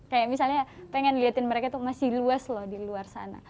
kayak misalnya pengen lihatin mereka tuh masih luas loh di luar sana